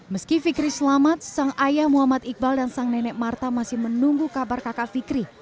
meski fikri selamat sang ayah muhammad iqbal dan sang nenek marta masih menunggu kabar kakak fikri